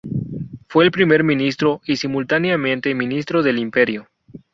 Fue primer ministro y simultáneamente ministro del Imperio.